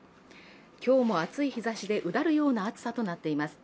今日も暑い日差しでうだるような暑さとなっています。